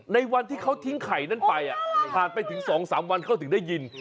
ในวันที่เขาทิ้งไข่นั้นไปผ่านไปถึง๒๓วันเขาถึงได้ยิน